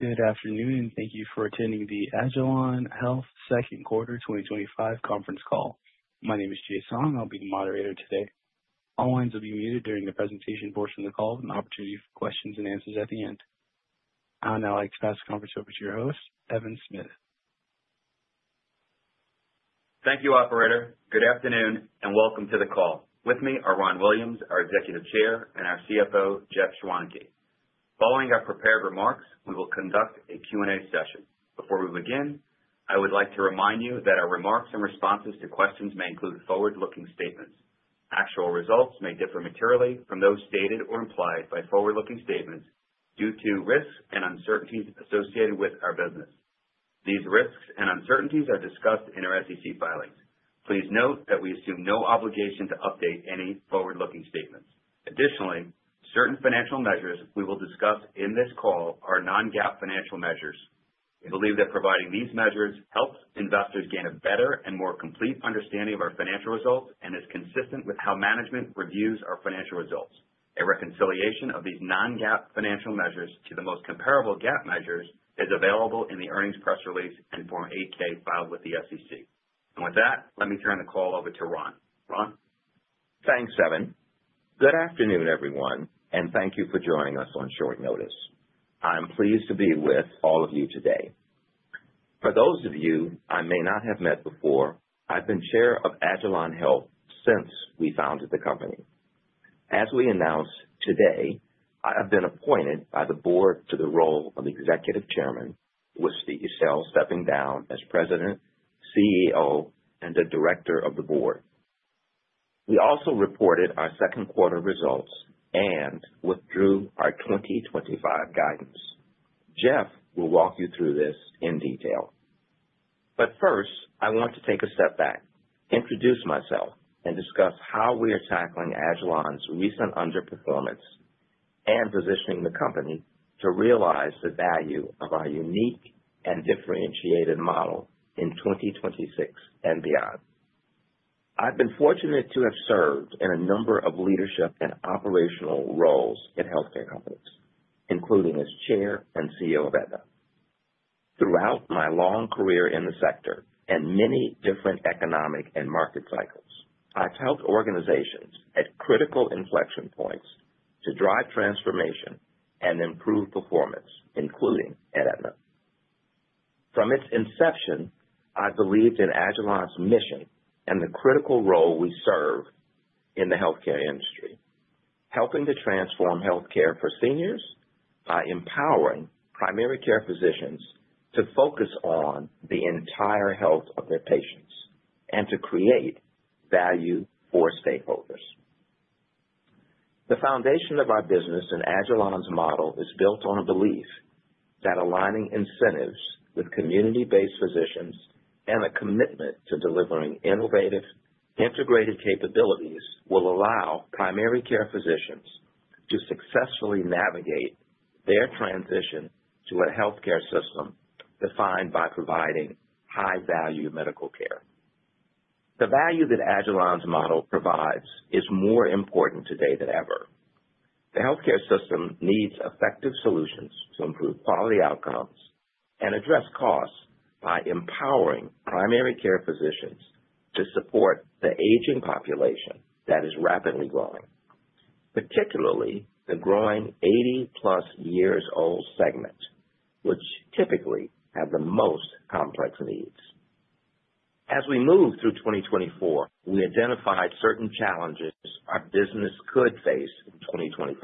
Good afternoon, and thank you for attending agilon health second Quarter 2025 conference call. My name is Jay Song. I'll be the moderator today. All lines will be muted during the presentation portion of the call, with an opportunity for questions and answers at the end. I'd now like to pass the conference over to your host, Evan Smith. Thank you, Operator. Good afternoon and welcome to the call. With me are Ron Williams, our Executive Chair, and our CFO, Jeff Schwaneke. Following our prepared remarks, we will conduct a Q&A session. Before we begin, I would like to remind you that our remarks and responses to questions may include forward-looking statements. Actual results may differ materially from those stated or implied by forward-looking statements due to risks and uncertainties associated with our business. These risks and uncertainties are discussed in our SEC filings. Please note that we assume no obligation to update any forward-looking statements. Additionally, certain financial measures we will discuss in this call are non-GAAP financial measures. We believe that providing these measures helps investors gain a better and more complete understanding of our financial results and is consistent with how management reviews our financial results. A reconciliation of these non-GAAP financial measures to the most comparable GAAP measures is available in the earnings press release and Form 8-K filed with the SEC. With that, let me turn the call over to Ron. Ron? Thanks, Evan. Good afternoon, everyone, and thank you for joining us on short notice. I'm pleased to be with all of you today. For those of you I may not have met before, I've been Chair of agilon health since we founded the company. As we announced today, I have been appointed by the Board to the role of Executive Chairman, with Steven Sell stepping down as President, CEO, and the Director of the Board. We also reported our second quarter results and withdrew our 2025 guidance. Jeff will walk you through this in detail. First, I want to take a step back, introduce myself, and discuss how we are tackling agilon health's recent underperformance and positioning the company to realize the value of our unique and differentiated model in 2026 and beyond. I've been fortunate to have served in a number of leadership and operational roles at healthcare companies, including as Chair and CEO of Aetna. Throughout my long career in the sector and many different economic and market cycles, I've helped organizations at critical inflection points to drive transformation and improve performance, including at Aetna. From its inception, I believed in agilon health's mission and the critical role we serve in the healthcare industry, helping to transform healthcare for seniors by empowering primary care physicians to focus on the entire health of their patients and to create value for stakeholders. The foundation of our business and agilon health's model is built on a belief that aligning incentives with community-based physicians and a commitment to delivering innovative, integrated capabilities will allow primary care physicians to successfully navigate their transition to a healthcare system defined by providing high-value medical care. The value that agilon health's model provides is more important today than ever. The healthcare system needs effective solutions to improve quality outcomes and address costs by empowering primary care physicians to support the aging population that is rapidly growing, particularly the growing 80-plus years old segment, which typically has the most complex needs. As we move through 2024, we identified certain challenges our business could face in 2025,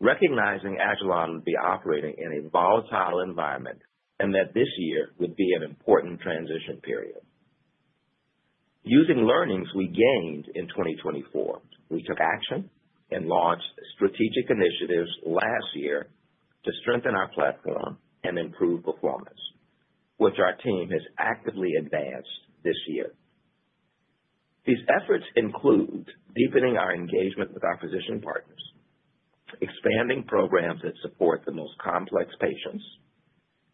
agilon health would be operating in a volatile environment and that this year would be an important transition period. Using learnings we gained in 2024, we took action and launched strategic initiatives last year to strengthen our platform and improve performance, which our team has actively advanced this year. These efforts include deepening our engagement with our physician partners, expanding programs that support the most complex patients,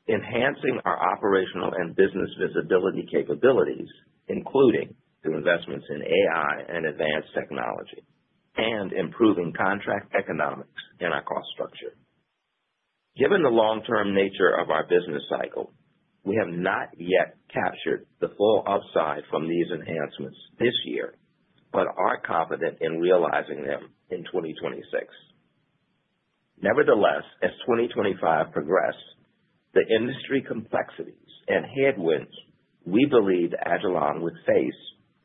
enhancing our operational and business visibility capabilities, including through investments in AI and advanced technology, and improving contract economics in our cost structure. Given the long-term nature of our business cycle, we have not yet captured the full upside from these enhancements this year, but are confident in realizing them in 2026. Nevertheless, as 2025 progressed, the industry complexities and headwinds we agilon health would face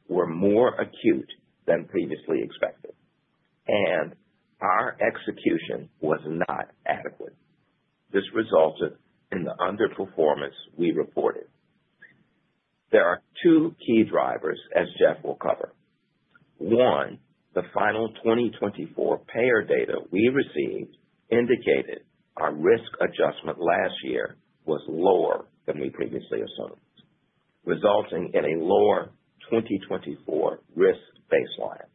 were more acute than previously expected, and our execution was not adequate. This resulted in the underperformance we reported. There are two key drivers, as Jeff will cover. One, the final 2024 payer data we received indicated our risk adjustment last year was lower than we previously assumed, resulting in a lower 2024 risk baseline.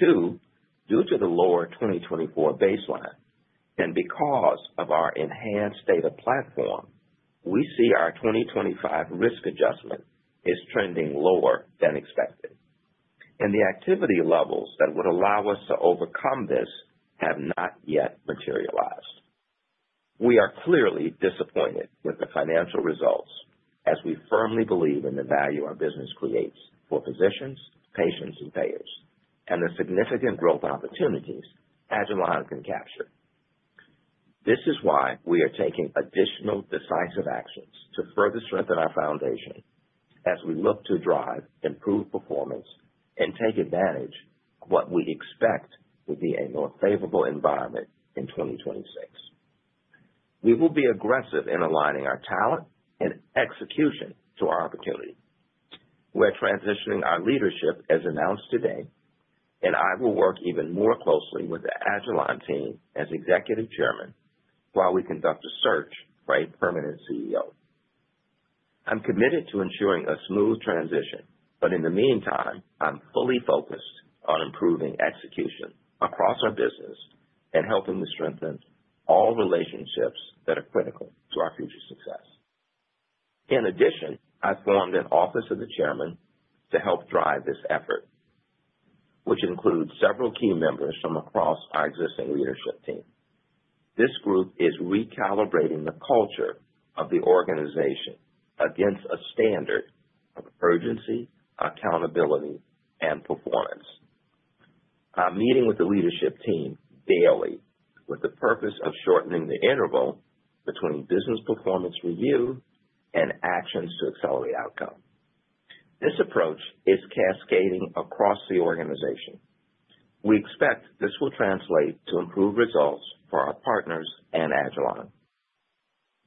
Two, due to the lower 2024 baseline and because of our enhanced data platform, we see our 2025 risk adjustment is trending lower than expected, and the activity levels that would allow us to overcome this have not yet materialized. We are clearly disappointed with the financial results as we firmly believe in the value our business creates for physicians, patients, and payers, and the significant growth agilon health can capture. This is why we are taking additional decisive actions to further strengthen our foundation as we look to drive improved performance and take advantage of what we expect to be a more favorable environment in 2026. We will be aggressive in aligning our talent and execution to our opportunity. We're transitioning our leadership, as announced today, and I will work even more closely with agilon health team as Executive Chairman while we conduct a search for a permanent CEO. I'm committed to ensuring a smooth transition, but in the meantime, I'm fully focused on improving execution across our business and helping to strengthen all relationships that are critical to our future success. In addition, I formed an Office of the Chairman to help drive this effort, which includes several key members from across our existing leadership team. This group is recalibrating the culture of the organization against a standard of urgency, accountability, and performance. I'm meeting with the leadership team daily with the purpose of shortening the interval between business performance review and actions to accelerate outcome. This approach is cascading across the organization. We expect this will translate to improved results for our partners and agilon health.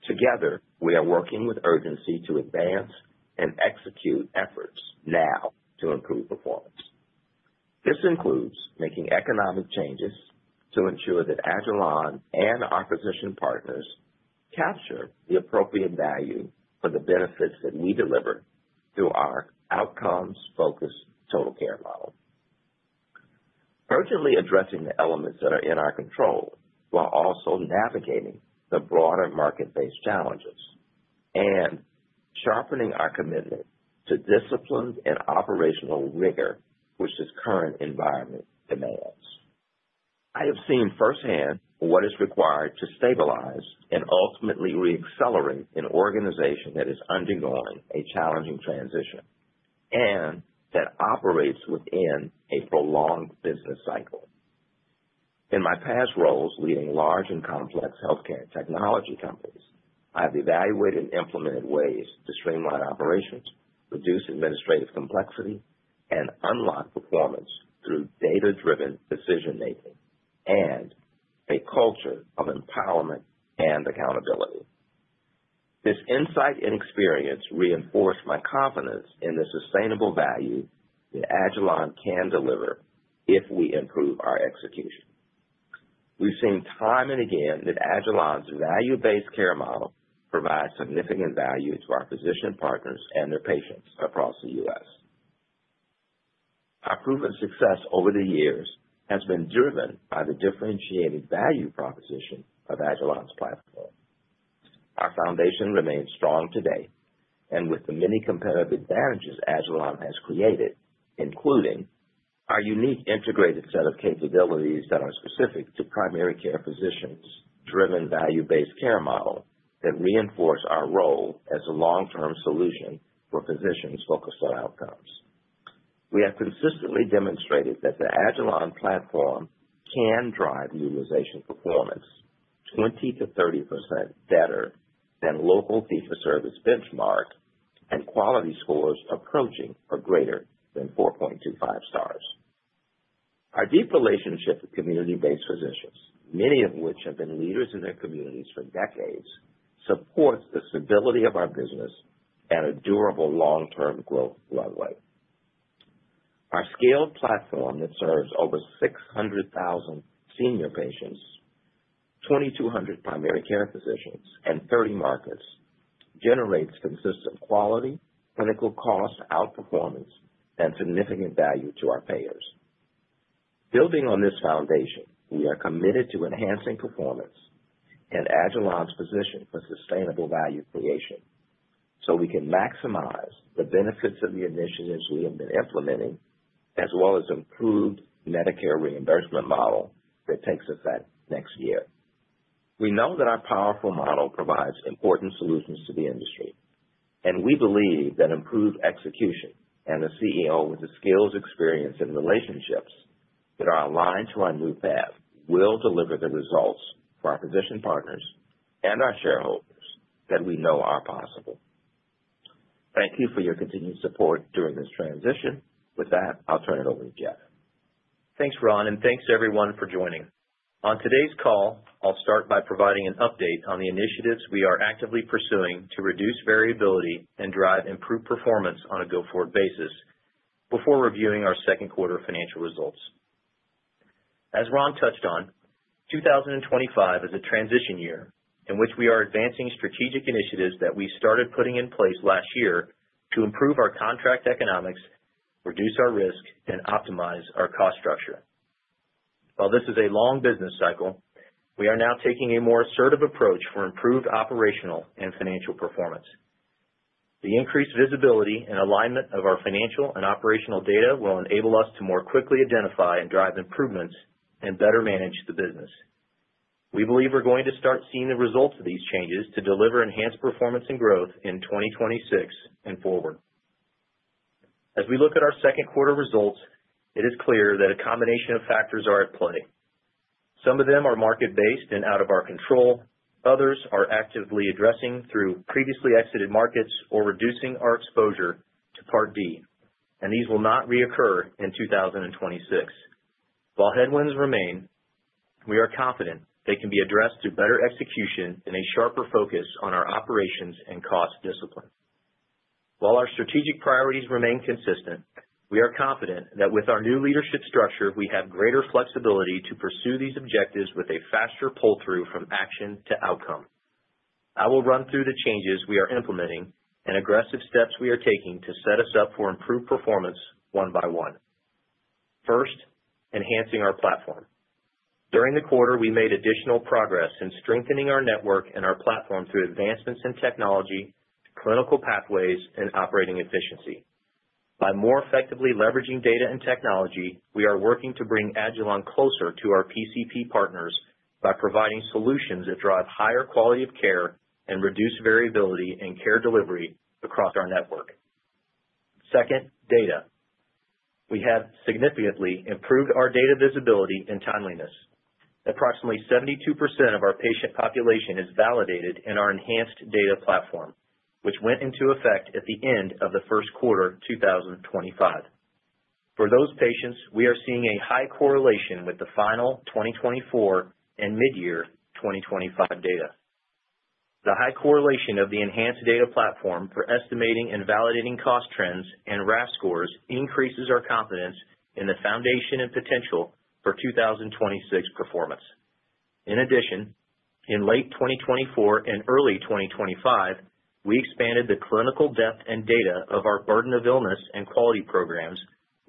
Together, we are working with urgency to advance and execute efforts now to improve performance. This includes making economic changes to ensure agilon health and our physician partners capture the appropriate value for the benefits that we deliver through our outcomes-focused total care model. Urgently addressing the elements that are in our control while also navigating the broader market-based challenges and sharpening our commitment to disciplines and operational rigor, which this current environment demands. I have seen firsthand what is required to stabilize and ultimately re-accelerate an organization that is undergoing a challenging transition and that operates within a prolonged business cycle. In my past role leading large and complex healthcare technology companies, I've evaluated and implemented ways to streamline operations, reduce administrative complexity, and unlock performance through data-driven decision-making and a culture of empowerment and accountability. This insight and experience reinforce my confidence in the sustainable value agilon health can deliver if we improve our execution. We've seen time and again that agilon health's value-based care model provides significant value to our physician partners and their patients across the U.S. Our proven success over the years has been driven by the differentiated value proposition of agilon health's platform. Our foundation remains strong today, and with the many competitive agilon health has created, including our unique integrated set of capabilities that are specific to primary care physicians, driven value-based care models that reinforce our role as a long-term solution for physicians' focus on outcomes. We have consistently demonstrated that agilon health platform can drive utilization performance 20%-30% better than local fee-for-service benchmarks and quality scores approaching or greater than 4.25 stars. Our deep relationship with community-based physicians, many of which have been leaders in their communities for decades, supports the stability of our business and a durable long-term growth runway. Our scaled platform that serves over 600,000 senior patients, 2,200 primary care physicians, and 30 markets generates consistent quality, clinical cost outperformance, and significant value to our payers. Building on this foundation, we are committed to enhancing performance and agilon health's position for sustainable value creation so we can maximize the benefits of the initiatives we have been implementing, as well as the improved Medicare reimbursement model that takes us that next year. We know that our powerful model provides important solutions to the industry, and we believe that improved execution and a CEO with the skills, experience, and relationships that are aligned to our new path will deliver the results for our physician partners and our shareholders that we know are possible. Thank you for your continued support during this transition. With that, I'll turn it over to Jeff. Thanks, Ron, and thanks everyone for joining. On today's call, I'll start by providing an update on the initiatives we are actively pursuing to reduce variability and drive improved performance on a go-forward basis before reviewing our second quarter financial results. As Ron touched on, 2025 is a transition year in which we are advancing strategic initiatives that we started putting in place last year to improve our contract economics, reduce our risk, and optimize our cost structure. While this is a long business cycle, we are now taking a more assertive approach for improved operational and financial performance. The increased visibility and alignment of our financial and operational data will enable us to more quickly identify and drive improvements and better manage the business. We believe we're going to start seeing the results of these changes to deliver enhanced performance and growth in 2026 and forward. As we look at our second quarter results, it is clear that a combination of factors are at play. Some of them are market-based and out of our control. Others are actively addressing through previously exited markets or reducing our exposure to Part D, and these will not reoccur in 2026. While headwinds remain, we are confident they can be addressed through better execution and a sharper focus on our operations and cost discipline. While our strategic priorities remain consistent, we are confident that with our new leadership structure, we have greater flexibility to pursue these objectives with a faster pull-through from action to outcome. I will run through the changes we are implementing and aggressive steps we are taking to set us up for improved performance one by one. First, enhancing our platform. During the quarter, we made additional progress in strengthening our network and our platform through advancements in technology, clinical pathways, and operating efficiency. By more effectively leveraging data and technology, we are working to bring agilon health closer to our PCP partners by providing solutions that drive higher quality of care and reduce variability in care delivery across our network. Second, data. We have significantly improved our data visibility and timeliness. Approximately 72% of our patient population is validated in our enhanced data platform, which went into effect at the end of the first quarter of 2025. For those patients, we are seeing a high correlation with the final 2024 and mid-year 2025 data. The high correlation of the enhanced data platform for estimating and validating cost trends and RAS scores increases our confidence in the foundation and potential for 2026 performance. In addition, in late 2024 and early 2025, we expanded the clinical depth and data of our burden of illness and quality programs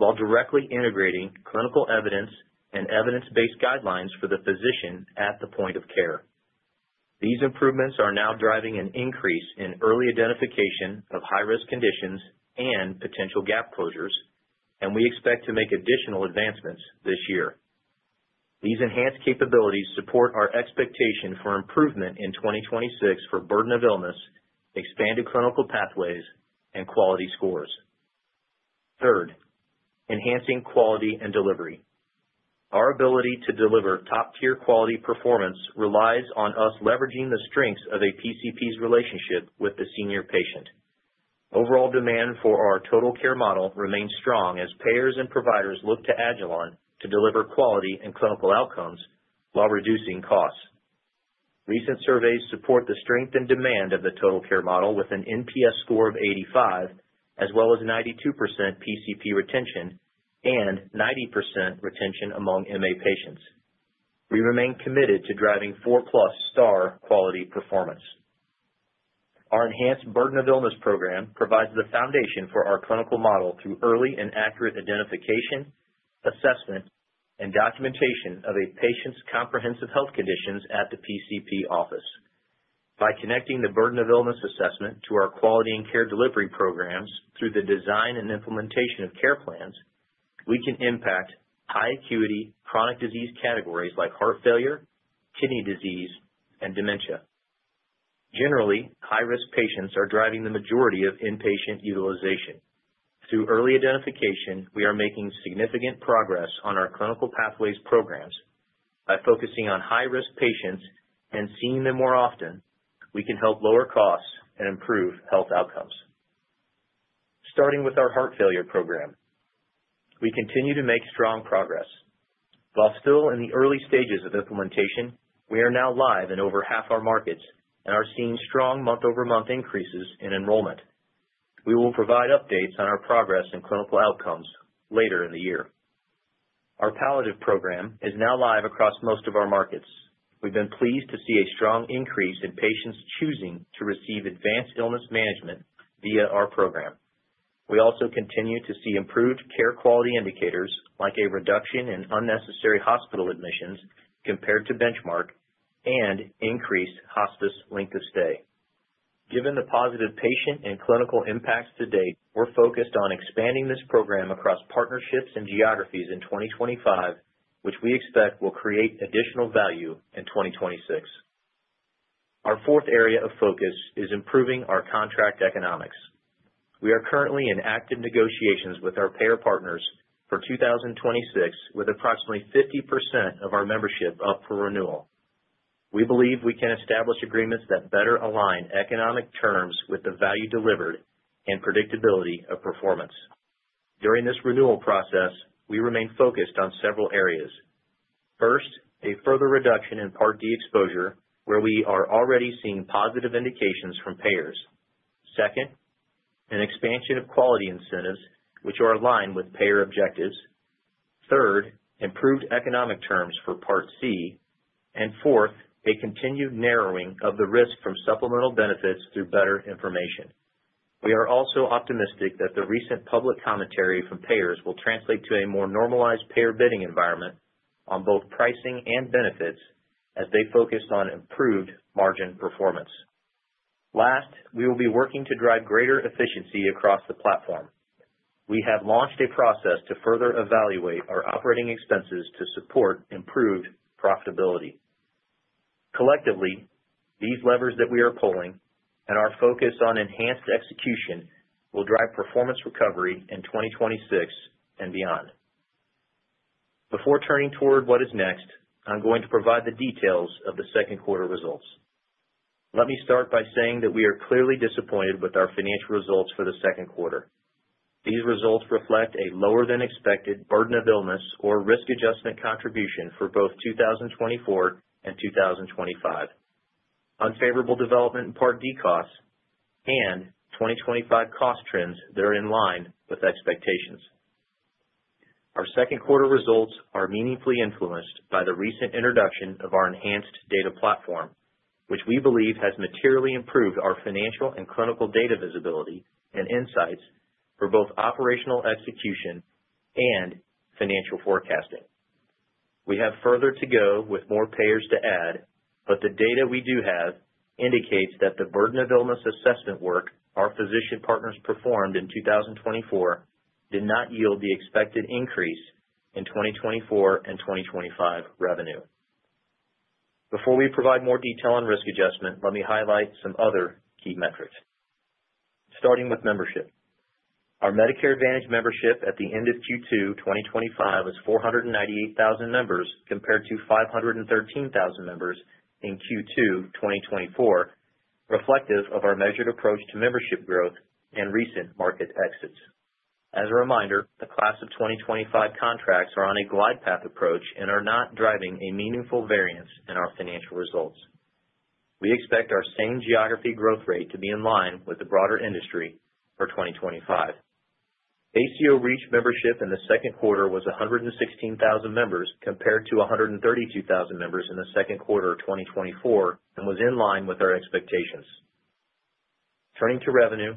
while directly integrating clinical evidence and evidence-based guidelines for the physician at the point of care. These improvements are now driving an increase in early identification of high-risk conditions and potential gap closures, and we expect to make additional advancements this year. These enhanced capabilities support our expectation for improvement in 2026 for burden of illness, expanded clinical pathways, and quality scores. Third, enhancing quality and delivery. Our ability to deliver top-tier quality performance relies on us leveraging the strengths of a PCP's relationship with the senior patient. Overall demand for our total care model remains strong as payers and providers look to agilon health to deliver quality and clinical outcomes while reducing costs. Recent surveys support the strength and demand of the total care model with an NPS score of 85, as well as 92% PCP retention and 90% retention among MA patients. We remain committed to driving four-plus star quality performance. Our enhanced burden of illness program provides the foundation for our clinical model through early and accurate identification, assessment, and documentation of a patient's comprehensive health conditions at the PCP office. By connecting the burden of illness assessment to our quality and care delivery programs through the design and implementation of care plans, we can impact high-acuity chronic disease categories like heart failure, kidney disease, and dementia. Generally, high-risk patients are driving the majority of inpatient utilization. Through early identification, we are making significant progress on our clinical pathways programs by focusing on high-risk patients and seeing them more often. We can help lower costs and improve health outcomes. Starting with our heart failure program, we continue to make strong progress. While still in the early stages of implementation, we are now live in over half our markets and are seeing strong month-over-month increases in enrollment. We will provide updates on our progress and clinical outcomes later in the year. Our palliative program is now live across most of our markets. We've been pleased to see a strong increase in patients choosing to receive advanced illness management via our program. We also continue to see improved care quality indicators, like a reduction in unnecessary hospital admissions compared to benchmark and increased hospice length of stay. Given the positive patient and clinical impacts to date, we're focused on expanding this program across partnerships and geographies in 2025, which we expect will create additional value in 2026. Our fourth area of focus is improving our contract economics. We are currently in active negotiations with our payer partners for 2026, with approximately 50% of our membership up for renewal. We believe we can establish agreements that better align economic terms with the value delivered and predictability of performance. During this renewal process, we remain focused on several areas. First, a further reduction in Part D exposure, where we are already seeing positive indications from payers. Second, an expansion of quality incentives, which are aligned with payer objectives. Third, improved economic terms for Part C. Fourth, a continued narrowing of the risk from supplemental benefits through better information. We are also optimistic that the recent public commentary from payers will translate to a more normalized payer bidding environment on both pricing and benefits, as they focused on improved margin performance. Last, we will be working to drive greater efficiency across the platform. We have launched a process to further evaluate our operating expenses to support improved profitability. Collectively, these levers that we are pulling and our focus on enhanced execution will drive performance recovery in 2026 and beyond. Before turning toward what is next, I'm going to provide the details of the second quarter results. Let me start by saying that we are clearly disappointed with our financial results for the second quarter. These results reflect a lower than expected burden of illness or risk adjustment contribution for both 2024 and 2025, unfavorable development in Part D costs, and 2025 cost trends that are in line with expectations. Our second quarter results are meaningfully influenced by the recent introduction of our enhanced data platform, which we believe has materially improved our financial and clinical data visibility and insights for both operational execution and financial forecasting. We have further to go with more payers to add, but the data we do have indicates that the burden of illness assessment work our physician partners performed in 2024 did not yield the expected increase in 2024 and 2025 revenue. Before we provide more detail on risk adjustment, let me highlight some other key metrics. Starting with membership, our Medicare Advantage membership at the end of Q2 2025 was 498,000 members, compared to 513,000 members in Q2 2024, reflective of our measured approach to membership growth and recent market exits. As a reminder, the class of 2025 contracts are on a glide path approach and are not driving a meaningful variance in our financial results. We expect our same geography growth rate to be in line with the broader industry for 2025. ACO REACH membership in the second quarter was 116,000 members, compared to 132,000 members in the second quarter of 2024, and was in line with our expectations. Turning to revenue,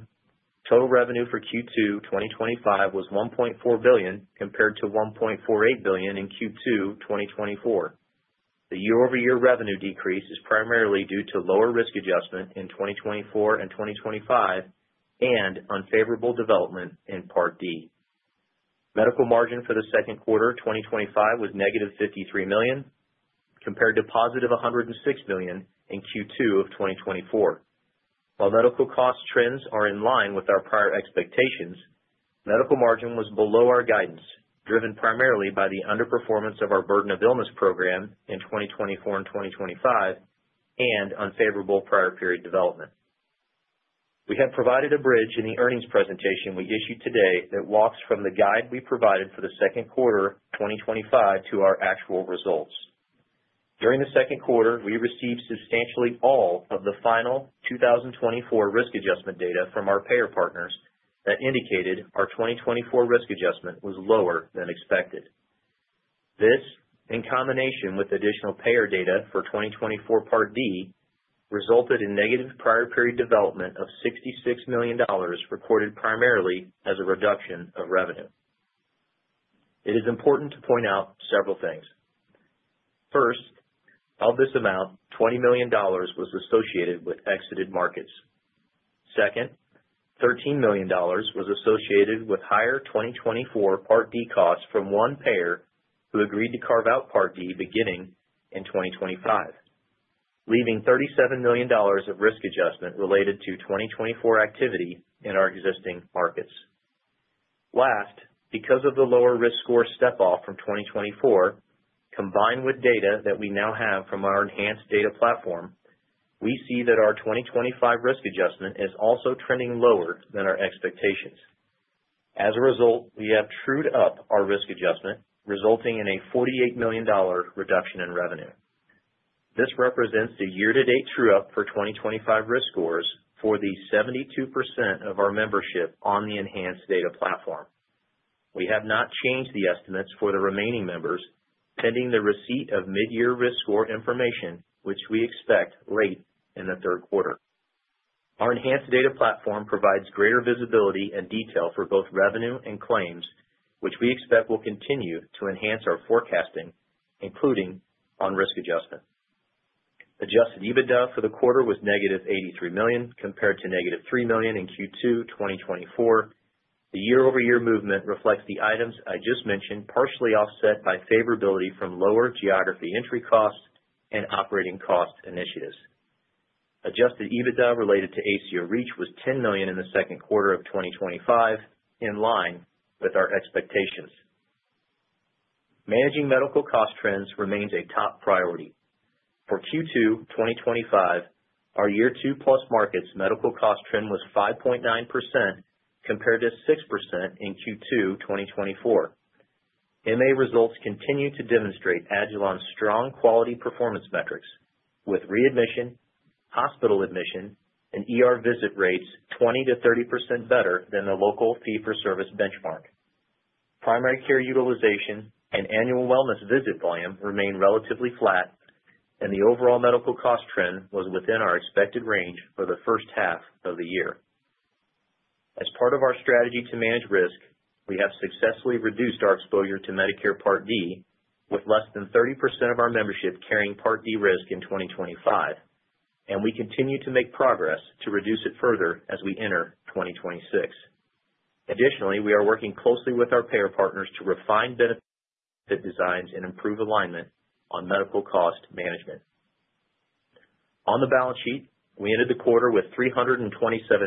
total revenue for Q2 2025 was $1.4 billion, compared to $1.48 billion in Q2 2024. The year-over-year revenue decrease is primarily due to lower risk adjustment in 2024 and 2025 and unfavorable development in Part D. Medical margin for the second quarter of 2025 was negative $53 million, compared to positive $106 million in Q2 of 2024. While medical cost trends are in line with our prior expectations, medical margin was below our guidance, driven primarily by the underperformance of our burden of illness program in 2024 and 2025 and unfavorable prior period development. We have provided a bridge in the earnings presentation we issued today that walks from the guide we provided for the second quarter of 2025 to our actual results. During the second quarter, we received substantially all of the final 2024 risk adjustment data from our payer partners that indicated our 2024 risk adjustment was lower than expected. This, in combination with additional payer data for 2024 Part D, resulted in negative prior period development of $66 million, recorded primarily as a reduction of revenue. It is important to point out several things. First, of this amount, $20 million was associated with exited markets. Second, $13 million was associated with higher 2024 Part D costs from one payer who agreed to carve out Part D beginning in 2025, leaving $37 million of risk adjustment related to 2024 activity in our existing markets. Last, because of the lower risk score step-off from 2024, combined with data that we now have from our enhanced data platform, we see that our 2025 risk adjustment is also trending lower than our expectations. As a result, we have trued up our risk adjustment, resulting in a $48 million reduction in revenue. This represents the year-to-date true up for 2025 risk scores for the 72% of our membership on the enhanced data platform. We have not changed the estimates for the remaining members, pending the receipt of mid-year risk score information, which we expect late in the third quarter. Our enhanced data platform provides greater visibility and detail for both revenue and claims, which we expect will continue to enhance our forecasting, including on risk adjustment. Adjusted EBITDA for the quarter was negative $83 million, compared to negative $3 million in Q2 2024. The year-over-year movement reflects the items I just mentioned, partially offset by favorability from lower geography entry costs and operating cost initiatives. Adjusted EBITDA related to ACO REACH was $10 million in the second quarter of 2025, in line with our expectations. Managing medical cost trends remains a top priority. For Q2 2025, our year two plus markets' medical cost trend was 5.9%, compared to 6% in Q2 2024. In a results continue to demonstrate agilon health's strong quality performance metrics, with readmission, hospital admission, and visit rates 20%-30% better than the local fee-for-service benchmark. Primary care utilization and annual wellness visit volume remain relatively flat, and the overall medical cost trend was within our expected range for the first half of the year. As part of our strategy to manage risk, we have successfully reduced our exposure to Medicare Part D, with less than 30% of our membership carrying Part D risk in 2025, and we continue to make progress to reduce it further as we enter 2026. Additionally, we are working closely with our payer partners to refine benefit designs and improve alignment on medical cost management. On the balance sheet, we ended the quarter with $327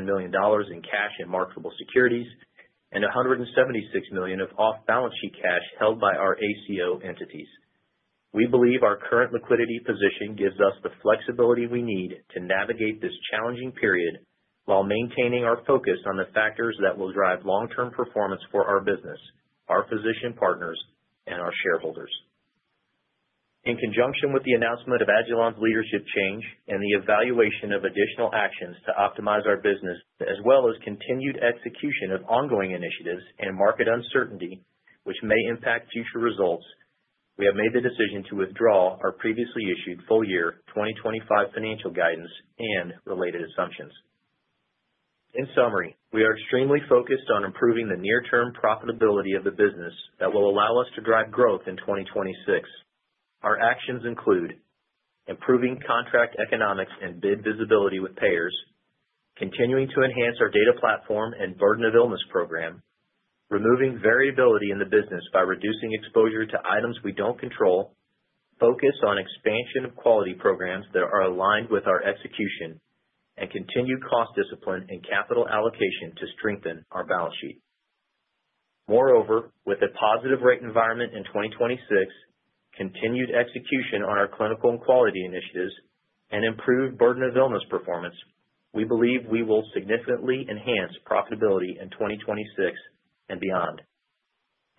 million in cash and marketable securities and $176 million of off-balance sheet cash held by our ACO entities. We believe our current liquidity position gives us the flexibility we need to navigate this challenging period while maintaining our focus on the factors that will drive long-term performance for our business, our physician partners, and our shareholders. In conjunction with the announcement of agilon health's leadership change and the evaluation of additional actions to optimize our business, as well as continued execution of ongoing initiatives and market uncertainty, which may impact future results, we have made the decision to withdraw our previously issued full-year 2025 financial guidance and related assumptions. In summary, we are extremely focused on improving the near-term profitability of the business that will allow us to drive growth in 2026. Our actions include improving contract economics and bid visibility with payers, continuing to enhance our data platform and burden of illness program, removing variability in the business by reducing exposure to items we don't control, focus on expansion of quality programs that are aligned with our execution, and continued cost discipline and capital allocation to strengthen our balance sheet. Moreover, with a positive rate environment in 2026, continued execution on our clinical and quality initiatives, and improved burden of illness performance, we believe we will significantly enhance profitability in 2026 and beyond.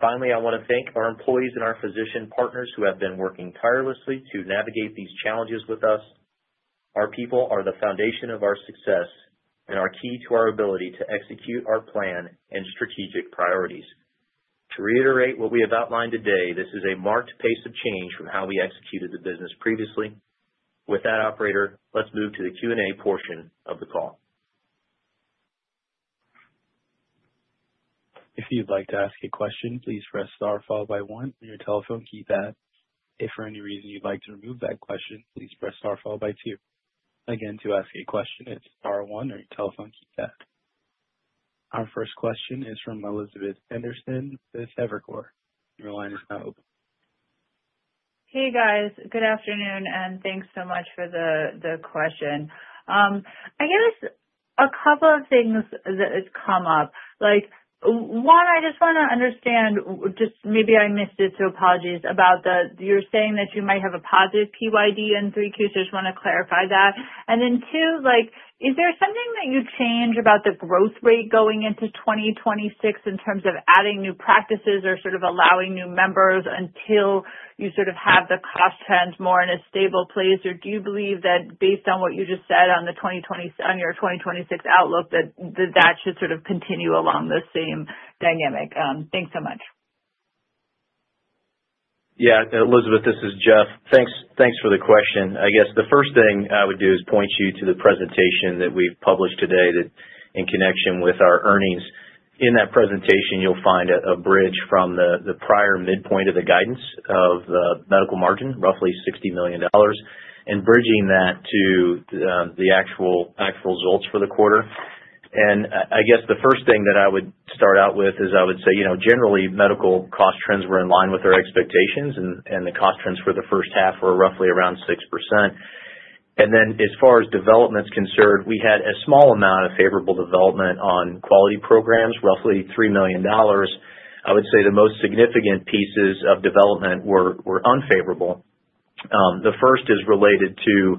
Finally, I want to thank our employees and our physician partners who have been working tirelessly to navigate these challenges with us. Our people are the foundation of our success and are key to our ability to execute our plan and strategic priorities. To reiterate what we have outlined today, this is a marked pace of change from how we executed the business previously. With that, Operator, let's move to the Q&A portion of the call. If you'd like to ask a question, please press * followed by 1 on your telephone keypad. If for any reason you'd like to remove that question, please press * followed by 2. Again, to ask a question, it's star one on your telephone keypad. Our first question is from Elizabeth Anderson with Evercore ISI. Your line is now open. Hey, guys. Good afternoon, and thanks so much for the question. A couple of things that have come up. One, I just want to understand, maybe I missed it, so apologies, you're saying that you might have a positive PYD in 3Qs. I just want to clarify that. Two, is there something that you'd change about the growth rate going into 2026 in terms of adding new practices or allowing new members until you have the cost trends more in a stable place? Do you believe that based on what you just said on your 2026 outlook, that should continue along the same dynamic? Thanks so much. Yeah, Elizabeth, this is Jeff. Thanks for the question. The first thing I would do is point you to the presentation that we've published today in connection with our earnings. In that presentation, you'll find a bridge from the prior midpoint of the guidance of the medical margin, roughly $60 million, and bridging that to the actual results for the quarter. The first thing that I would start out with is I would say, you know, generally, medical cost trends were in line with our expectations, and the cost trends for the first half were roughly around 6%. As far as development's concerned, we had a small amount of favorable development on quality programs, roughly $3 million. I would say the most significant pieces of development were unfavorable. The first is related to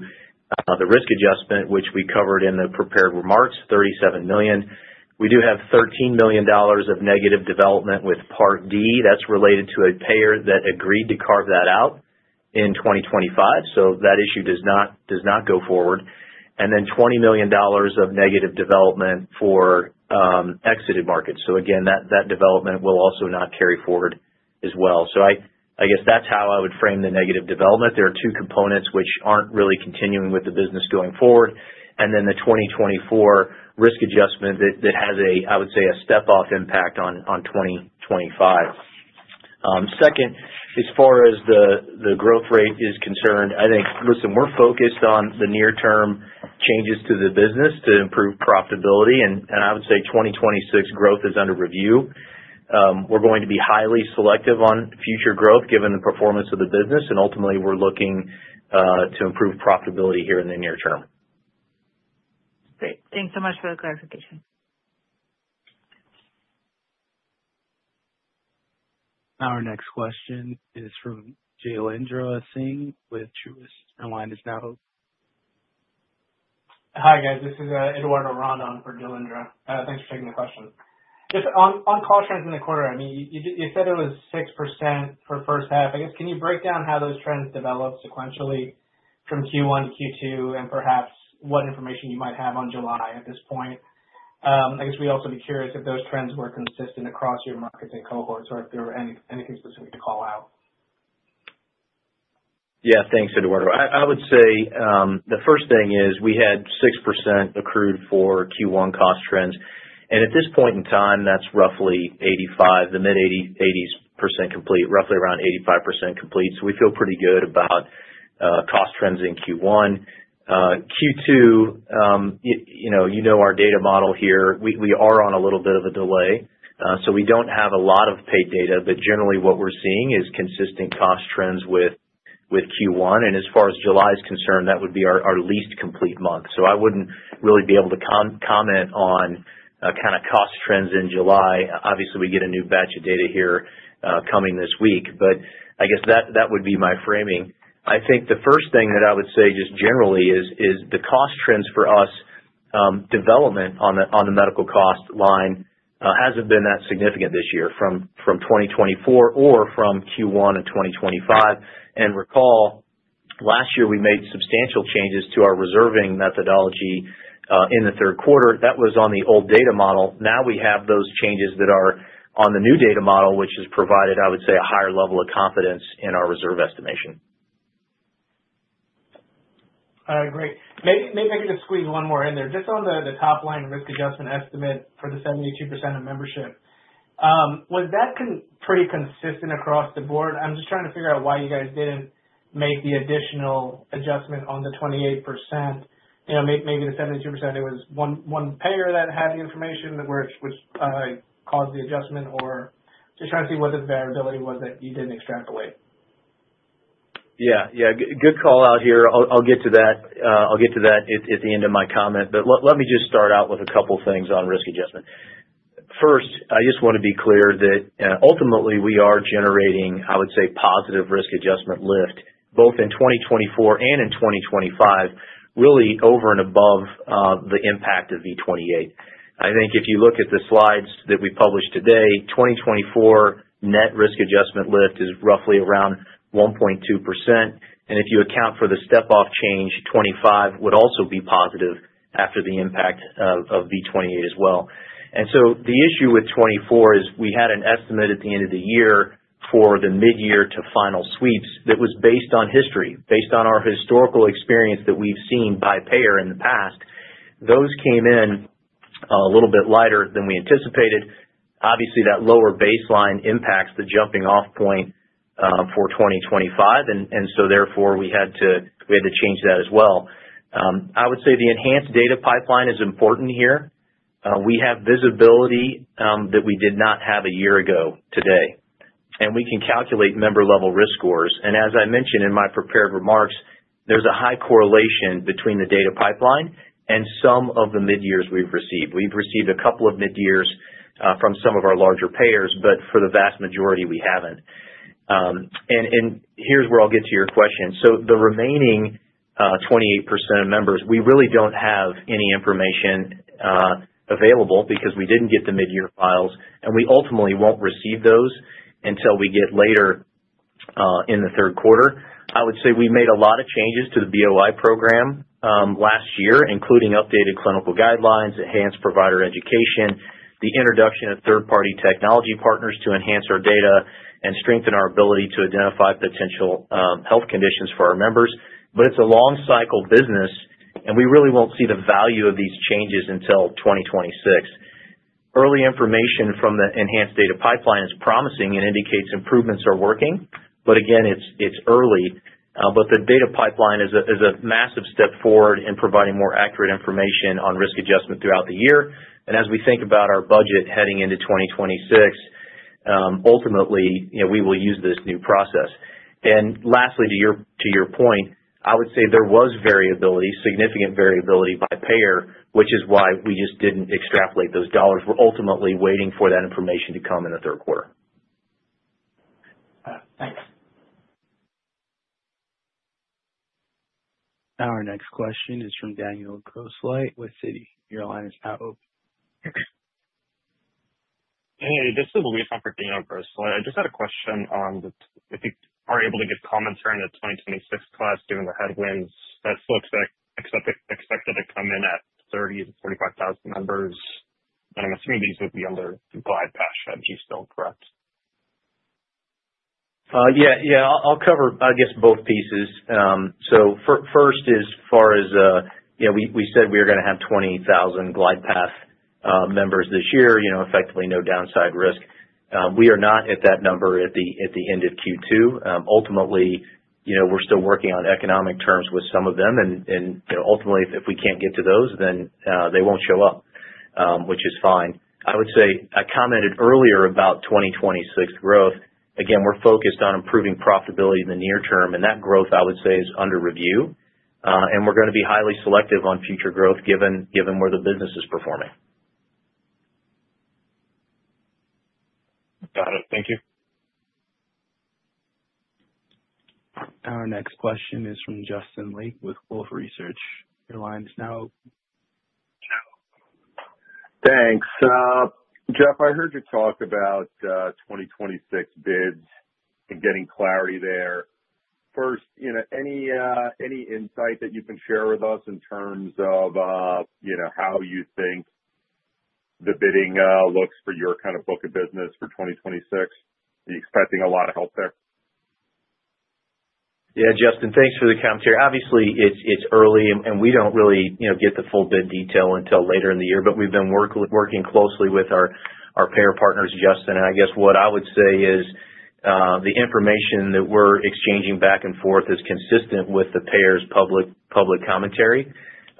the risk adjustment, which we covered in the prepared remarks, $37 million. We do have $13 million of negative development with Part D. That's related to a payer that agreed to carve that out in 2025, so that issue does not go forward. There is $20 million of negative development for exited markets. That development will also not carry forward as well. I would frame the negative development as having two components which aren't really continuing with the business going forward, and then the 2024 risk adjustment that has, I would say, a step-off impact on 2025. As far as the growth rate is concerned, I think, listen, we're focused on the near-term changes to the business to improve profitability, and I would say 2026 growth is under review. We're going to be highly selective on future growth given the performance of the business, and ultimately, we're looking to improve profitability here in the near term. Great, thanks so much for the clarification. Our next question is from Jailendra Singh with Truist Securities. Your line is now open. Hi, guys. This is Eduardo Ron on for Jailendra. Thanks for taking the question. Just on cost trends in the quarter, I mean, you said it was 6% for the first half. Can you break down how those trends developed sequentially from Q1 to Q2 and perhaps what information you might have on July at this point? We'd also be curious if those trends were consistent across your markets and cohorts or if there were anything specific to call out. Yeah, thanks, Eduardo. I would say the first thing is we had 6% accrued for Q1 cost trends. At this point in time, that's roughly 85%, the mid-80s percent complete, roughly around 85% complete. We feel pretty good about cost trends in Q1. Q2, you know our data model here, we are on a little bit of a delay, so we don't have a lot of paid data, but generally, what we're seeing is consistent cost trends with Q1. As far as July is concerned, that would be our least complete month. I wouldn't really be able to comment on kind of cost trends in July. Obviously, we get a new batch of data here coming this week, but I guess that would be my framing. I think the first thing that I would say just generally is the cost trends for us, development on the medical cost line hasn't been that significant this year from 2024 or from Q1 of 2025. Recall, last year we made substantial changes to our reserving methodology in the third quarter. That was on the old data model. Now we have those changes that are on the new data model, which has provided, I would say, a higher level of confidence in our reserve estimation. I agree. Maybe I could just squeeze one more in there. Just on the top line risk adjustment estimate for the 72% of membership, was that pretty consistent across the board? I'm just trying to figure out why you guys didn't make the additional adjustment on the 28%. You know, maybe the 72%, it was one payer that had the information that caused the adjustment, or just trying to see what the variability was that you didn't extrapolate. Yeah, yeah. Good call out here. I'll get to that at the end of my comment. Let me just start out with a couple of things on risk adjustment. First, I just want to be clear that ultimately we are generating, I would say, positive risk adjustment lift, both in 2024 and in 2025, really over and above the impact of V28. I think if you look at the slides that we published today, 2024 net risk adjustment lift is roughly around 1.2%. If you account for the step-off change, 2025 would also be positive after the impact of V28 as well. The issue with 2024 is we had an estimate at the end of the year for the mid-year to final sweeps that was based on history, based on our historical experience that we've seen by payer in the past. Those came in a little bit lighter than we anticipated. Obviously, that lower baseline impacts the jumping-off point for 2025. Therefore, we had to change that as well. I would say the enhanced data pipeline is important here. We have visibility that we did not have a year ago today. We can calculate member-level risk scores. As I mentioned in my prepared remarks, there's a high correlation between the data pipeline and some of the mid-years we've received. We've received a couple of mid-years from some of our larger payers, but for the vast majority, we haven't. Here's where I'll get to your question. The remaining 28% of members, we really don't have any information available because we didn't get the mid-year files, and we ultimately won't receive those until we get later in the third quarter. I would say we made a lot of changes to the burden of illness program last year, including updated clinical guidelines, enhanced provider education, the introduction of third-party technology partners to enhance our data and strengthen our ability to identify potential health conditions for our members. It's a long-cycle business, and we really won't see the value of these changes until 2026. Early information from the enhanced data pipeline is promising and indicates improvements are working, but again, it's early. The data pipeline is a massive step forward in providing more accurate information on risk adjustment throughout the year. As we think about our budget heading into 2026, ultimately, we will use this new process. Lastly, to your point, I would say there was significant variability by payer, which is why we just didn't extrapolate those dollars. We're ultimately waiting for that information to come in the third quarter. Our next question is from Daniel Grosslight with Citi. Your line is now open. Hey, this is Luis from Daniel Grosslight. I just had a question on the, if you are able to give comments during the 2026 class during the headwinds, that folks are expected to come in at 30,000-45,000 members. I'm assuming these would be under GlidePath, and he's still correct. Yeah, I'll cover, I guess, both pieces. First, as far as, you know, we said we were going to have 20,000 GlidePath members this year, you know, effectively no downside risk. We are not at that number at the end of Q2. Ultimately, we're still working on economic terms with some of them. Ultimately, if we can't get to those, then they won't show up, which is fine. I would say I commented earlier about 2026 growth. Again, we're focused on improving profitability in the near term, and that growth, I would say, is under review. We're going to be highly selective on future growth given where the business is performing. Got it. Thank you. Our next question is from Justin Lake with Wolfe Research. Your line is now open. Thanks. Jeff, I heard you talk about 2026 bids and getting clarity there. First, any insight that you can share with us in terms of how you think the bidding looks for your kind of book of business for 2026? Are you expecting a lot of help there? Yeah, Justin, thanks for the commentary. Obviously, it's early, and we don't really get the full bid detail until later in the year, but we've been working closely with our payer partners, Justin. I guess what I would say is the information that we're exchanging back and forth is consistent with the payer's public commentary.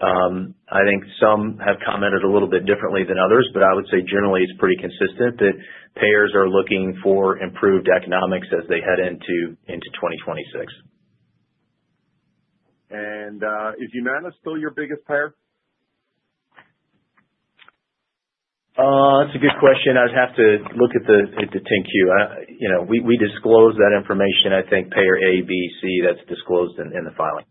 I think some have commented a little bit differently than others, but I would say generally, it's pretty consistent that payers are looking for improved economics as they head into 2026. Is Humana still your biggest payer? That's a good question. I'd have to look at the 10-Q. We disclose that information. I think payer A, B, C, that's disclosed in the filing.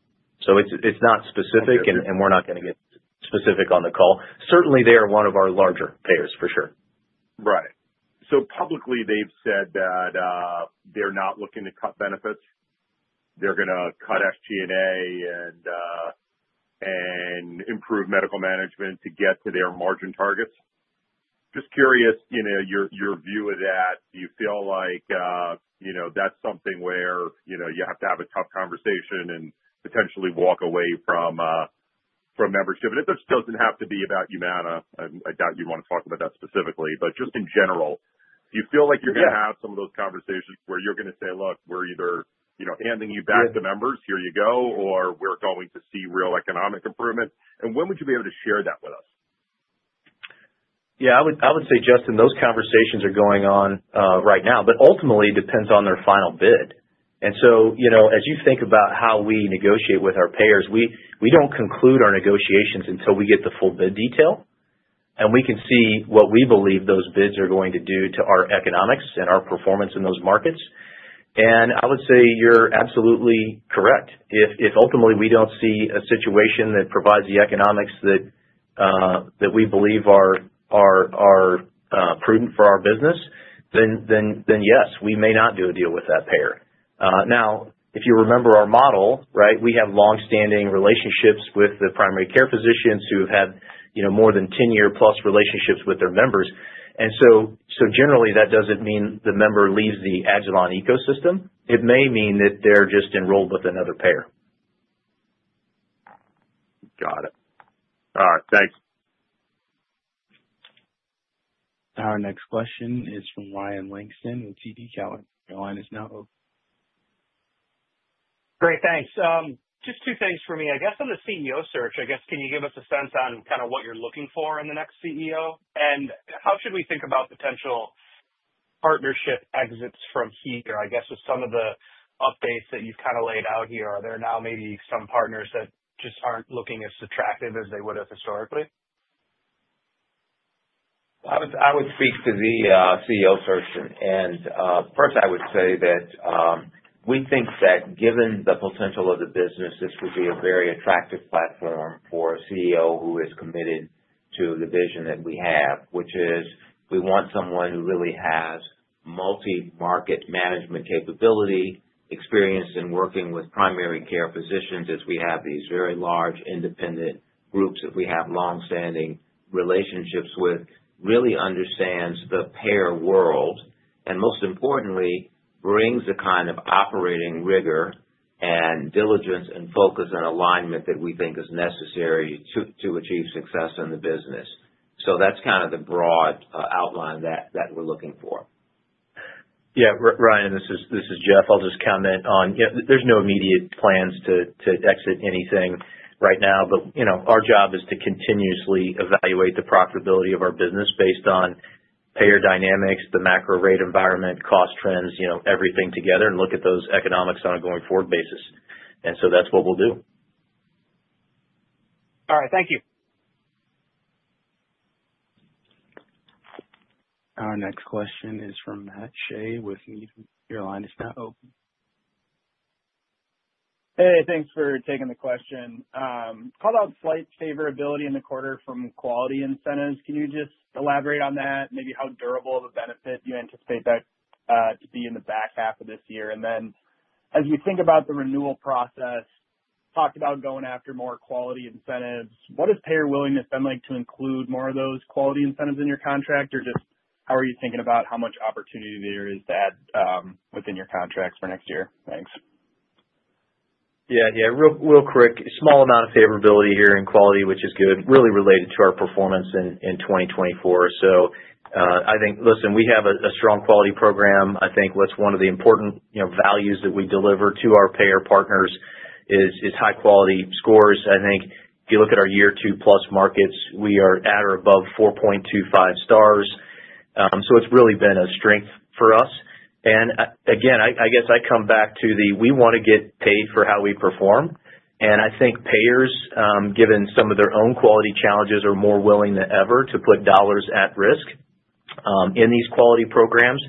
It is not specific, and we're not going to get specific on the call. Certainly, they are one of our larger payers, for sure. Right. Publicly, they've said that they're not looking to cut benefits. They're going to cut FT&A and improve medical management to get to their margin targets. Just curious, your view of that. Do you feel like that's something where you have to have a tough conversation and potentially walk away from membership? It does not have to be about Humana. I doubt you'd want to talk about that specifically. In general, do you feel like you're going to have some of those conversations where you're going to say, "Look, we're either handing you back the members. Here you go," or, "We're going to see real economic improvement"? When would you be able to share that with us? Yeah, I would say, Justin, those conversations are going on right now, but ultimately, it depends on their final bid. As you think about how we negotiate with our payers, we don't conclude our negotiations until we get the full bid detail. We can see what we believe those bids are going to do to our economics and our performance in those markets. I would say you're absolutely correct. If ultimately we don't see a situation that provides the economics that we believe are prudent for our business, then yes, we may not do a deal with that payer. If you remember our model, right, we have longstanding relationships with the primary care physicians who have had more than 10-year-plus relationships with their members. Generally, that doesn't mean the member leaves agilon health ecosystem. It may mean that they're just enrolled with another payer. Got it. All right. Thanks. Our next question is from Ryan Langston with TD Cowen. Your line is now open. Great, thanks. Just two things for me. On the CEO search, can you give us a sense on kind of what you're looking for in the next CEO? How should we think about potential partnership exits from here? With some of the updates that you've kind of laid out here, are there now maybe some partners that just aren't looking as attractive as they would have historically? I would speak to the CEO first. First, I would say that we think that given the potential of the business, this would be a very attractive platform for a CEO who is committed to the vision that we have, which is we want someone who really has multi-market management capability, experience in working with primary care physicians, as we have these very large independent groups that we have longstanding relationships with, really understands the payer world, and most importantly, brings a kind of operating rigor and diligence and focus and alignment that we think is necessary to achieve success in the business. That's kind of the broad outline that we're looking for. Yeah, Ryan, this is Jeff. I'll just comment on, you know, there's no immediate plans to exit anything right now, but our job is to continuously evaluate the profitability of our business based on payer dynamics, the macro rate environment, cost trends, everything together, and look at those economics on a going forward basis. That's what we'll do. All right, thank you. Our next question is from Matthew Shea with Needham. Your line is now open. Hey, thanks for taking the question. I called out slight favorability in the quarter from quality incentives. Can you just elaborate on that? Maybe how durable of a benefit do you anticipate that to be in the back half of this year? As you think about the renewal process, talked about going after more quality incentives. What has payer willingness been like to include more of those quality incentives in your contract, or just how are you thinking about how much opportunity there is to add within your contracts for next year? Thanks. Yeah, yeah. Real quick, a small amount of favorability here in quality, which is good, really related to our performance in 2024. I think, listen, we have a strong quality program. I think one of the important values that we deliver to our payer partners is high-quality scores. If you look at our year two plus markets, we are at or above 4.25 stars. It's really been a strength for us. I guess I come back to the we want to get paid for how we perform. I think payers, given some of their own quality challenges, are more willing than ever to put dollars at risk in these quality programs.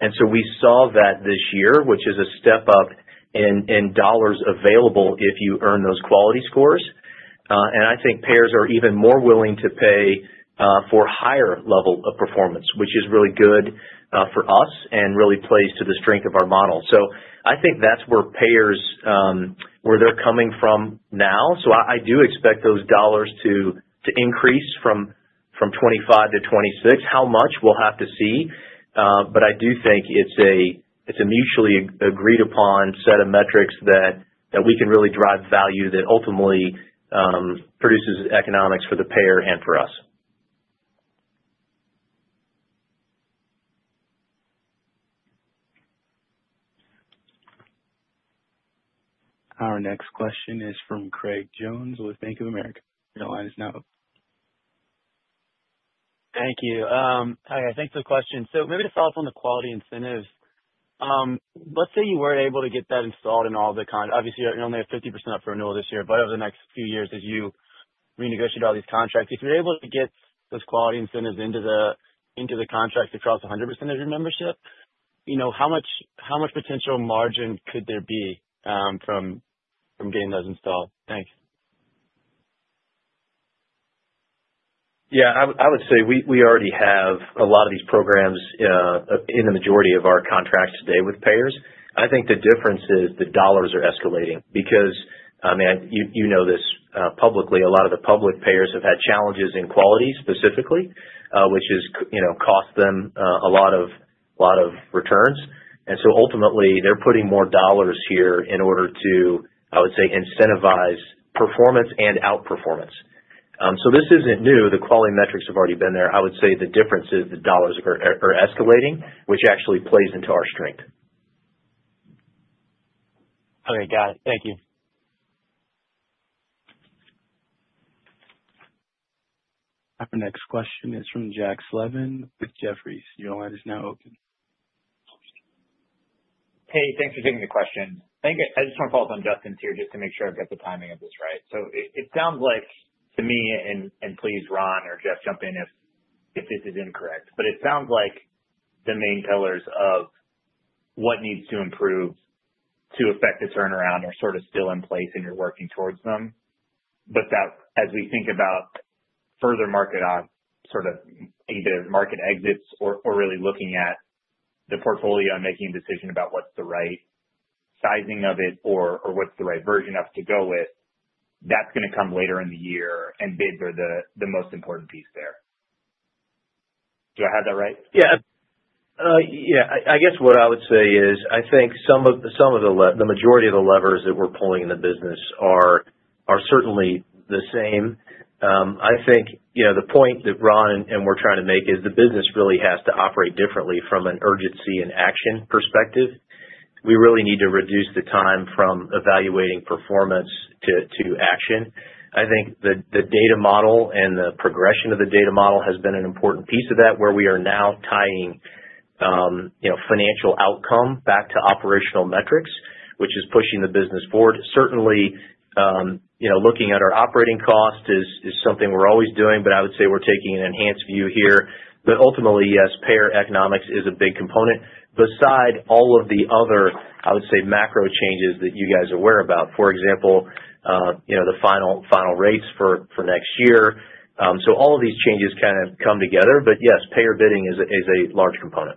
We saw that this year, which is a step up in dollars available if you earn those quality scores. I think payers are even more willing to pay for a higher level of performance, which is really good for us and really plays to the strength of our model. I think that's where payers, where they're coming from now. I do expect those dollars to increase from '25-'26. How much, we'll have to see. I do think it's a mutually agreed-upon set of metrics that we can really drive value that ultimately produces economics for the payer and for us. Our next question is from Craig Jones with Bank of America. Your line is now open. Thank you. Hi, thank you for the question. Maybe to follow up on the quality incentives, let's say you weren't able to get that installed in all the contracts. Obviously, you only have 50% up for renewal this year, but over the next few years, as you renegotiate all these contracts, if you're able to get those quality incentives into the contracts across 100% of your membership, how much potential margin could there be from getting those installed? Thanks. Yeah, I would say we already have a lot of these programs in the majority of our contracts today with payers. I think the difference is the dollars are escalating because, I mean, you know this publicly, a lot of the public payers have had challenges in quality specifically, which has cost them a lot of returns. Ultimately, they're putting more dollars here in order to, I would say, incentivize performance and outperformance. This isn't new. The quality metrics have already been there. I would say the difference is the dollars are escalating, which actually plays into our strength. Okay, got it. Thank you. Our next question is from Jack Slevin with Jefferies. Your line is now open. Hey, thanks for taking the question. I just want to follow up on Justin's here just to make sure I've got the timing of this right. It sounds like to me, and please Ron or Jeff jump in if this is incorrect, it sounds like the main pillars of what needs to improve to affect the turnaround are sort of still in place and you're working towards them. As we think about further market on either market exits or really looking at the portfolio and making a decision about what's the right sizing of it or what's the right version up to go with, that's going to come later in the year, and bids are the most important piece there. Do I have that right? Yeah, I guess what I would say is I think some of the majority of the levers that we're pulling in the business are certainly the same. I think the point that Ron and we're trying to make is the business really has to operate differently from an urgency and action perspective. We really need to reduce the time from evaluating performance to action. I think the data model and the progression of the data model has been an important piece of that, where we are now tying financial outcome back to operational metrics, which is pushing the business forward. Certainly, looking at our operating cost is something we're always doing, but I would say we're taking an enhanced view here. Ultimately, yes, payer economics is a big component. Beside all of the other, I would say, macro changes that you guys are aware about. For example, the final rates for next year. All of these changes kind of come together. Yes, payer bidding is a large component.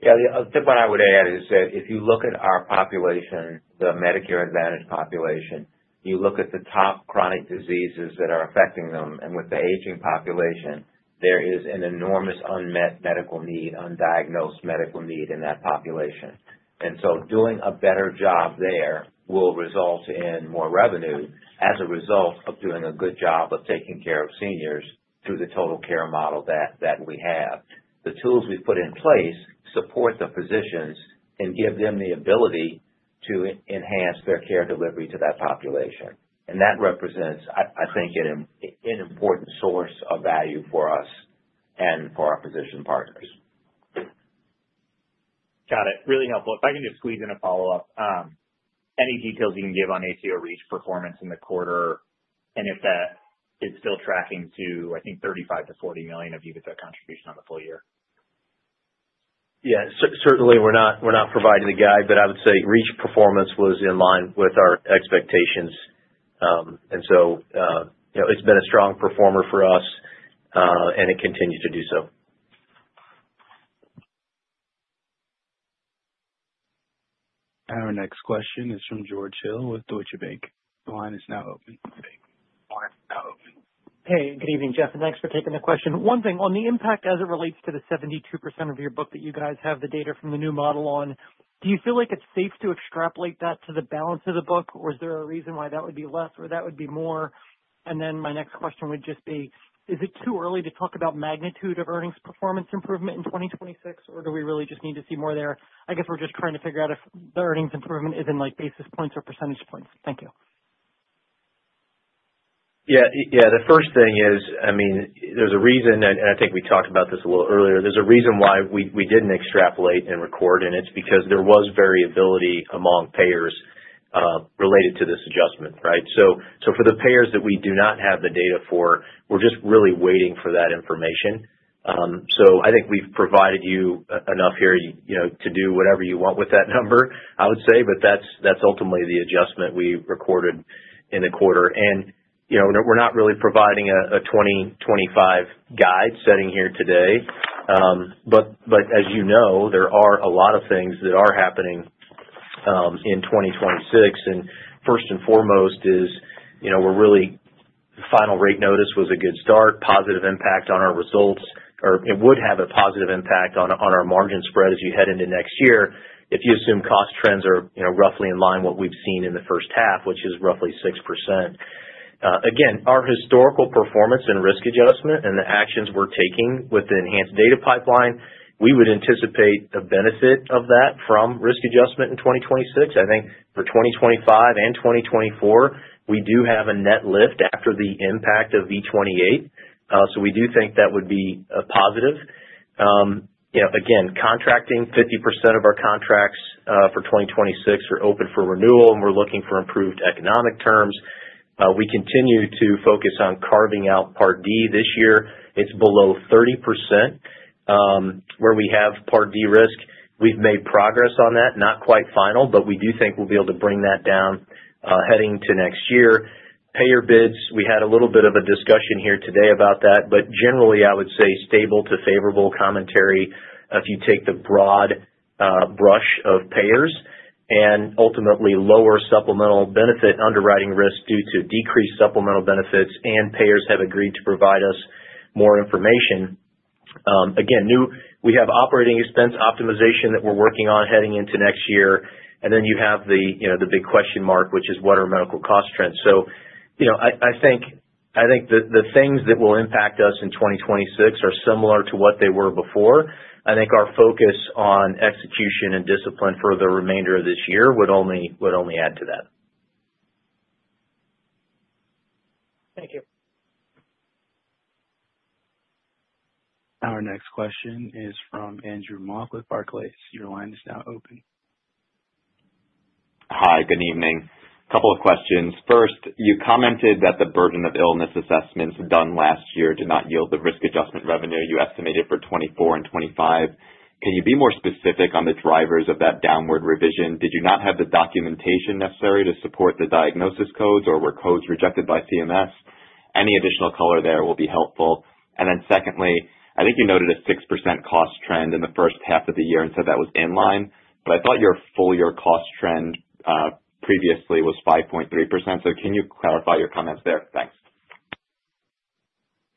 Yeah, the other thing I would add is that if you look at our population, the Medicare Advantage population, you look at the top chronic diseases that are affecting them, with the aging population, there is an enormous unmet medical need, undiagnosed medical need in that population. Doing a better job there will result in more revenue as a result of doing a good job of taking care of seniors through the total care model that we have. The tools we put in place support the physicians and give them the ability to enhance their care delivery to that population. That represents, I think, an important source of value for us and for our physician partners. Got it. Really helpful. If I can just squeeze in a follow-up, any details you can give on ACO REACH performance in the quarter and if that is still tracking to, I think, $35-$40 million of EBITDA contribution on the full year? Yeah, certainly, we're not providing the guide, but I would say REACH performance was in line with our expectations. It's been a strong performer for us, and it continues to do so. Our next question is from George Hill with Deutsche Bank. The line is now open. Hey, good evening, Jeff, and thanks for taking the question. One thing, on the impact as it relates to the 72% of your book that you guys have the data from the new model on, do you feel like it's safe to extrapolate that to the balance of the book, or is there a reason why that would be less or that would be more? My next question would just be, is it too early to talk about magnitude of earnings performance improvement in 2026, or do we really just need to see more there? I guess we're just trying to figure out if the earnings improvement is in like basis points or percentage points. Thank you. The first thing is, I mean, there's a reason, and I think we talked about this a little earlier, there's a reason why we didn't extrapolate and record, and it's because there was variability among payers related to this adjustment, right? For the payers that we do not have the data for, we're just really waiting for that information. I think we've provided you enough here, you know, to do whatever you want with that number, I would say, but that's ultimately the adjustment we recorded in the quarter. We're not really providing a 2025 guide setting here today. As you know, there are a lot of things that are happening in 2026. First and foremost is, you know, the final rate notice was a good start, positive impact on our results, or it would have a positive impact on our margin spread as you head into next year if you assume cost trends are, you know, roughly in line with what we've seen in the first half, which is roughly 6%. Again, our historical performance and risk adjustment and the actions we're taking with the enhanced data pipeline, we would anticipate a benefit of that from risk adjustment in 2026. I think for 2025 and 2024, we do have a net lift after the impact of V28. We do think that would be a positive. Again, contracting 50% of our contracts for 2026 are open for renewal, and we're looking for improved economic terms. We continue to focus on carving out Part D this year. It's below 30% where we have Part D risk. We've made progress on that, not quite final, but we do think we'll be able to bring that down heading to next year. Payer bids, we had a little bit of a discussion here today about that, but generally, I would say stable to favorable commentary if you take the broad brush of payers and ultimately lower supplemental benefit underwriting risk due to decreased supplemental benefits, and payers have agreed to provide us more information. Again, we have operating expense optimization that we're working on heading into next year, and then you have the big question mark, which is what are medical cost trends? I think the things that will impact us in 2026 are similar to what they were before. I think our focus on execution and discipline for the remainder of this year would only add to that. Thank you. Our next question is from Andrew Mock with Barclays. Your line is now open. Hi, good evening. A couple of questions. First, you commented that the burden of illness assessments done last year did not yield the risk adjustment revenue you estimated for 2024 and 2025. Can you be more specific on the drivers of that downward revision? Did you not have the documentation necessary to support the diagnosis codes, or were codes rejected by CMS? Any additional color there will be helpful. Secondly, I think you noted a 6% cost trend in the first half of the year and said that was in line, but I thought your full-year cost trend previously was 5.3%. Can you clarify your comments there? Thanks.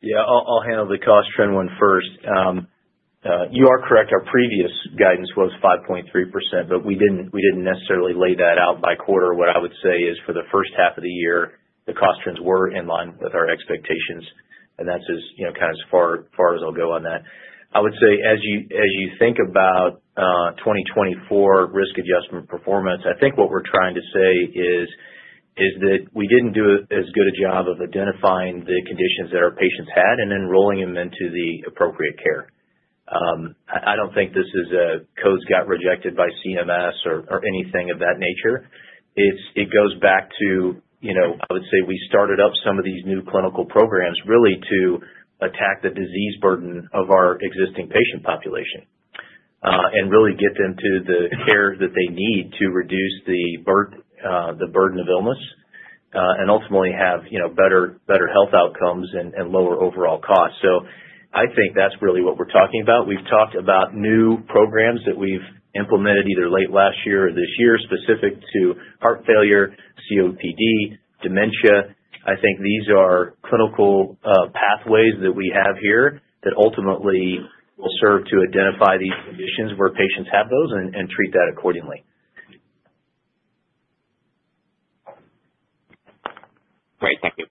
Yeah, I'll handle the cost trend one first. You are correct. Our previous guidance was 5.3%, but we didn't necessarily lay that out by quarter. What I would say is for the first half of the year, the cost trends were in line with our expectations, and that's as far as I'll go on that. I would say as you think about 2024 risk adjustment performance, I think what we're trying to say is that we didn't do as good a job of identifying the conditions that our patients had and then rolling them into the appropriate care. I don't think this is a codes got rejected by CMS or anything of that nature. It goes back to, I would say we started up some of these new clinical programs really to attack the disease burden of our existing patient population and really get them to the care that they need to reduce the burden of illness and ultimately have better health outcomes and lower overall costs. I think that's really what we're talking about. We've talked about new programs that we've implemented either late last year or this year specific to heart failure, COPD, dementia. I think these are clinical pathways that we have here that ultimately will serve to identify the patients where patients have those and treat that accordingly. Great. Thank you.